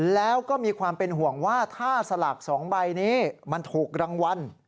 แล้วก็มีความเป็นห่วงว่าถ้าสลาก๒ใบนี้มันถูกรางวัล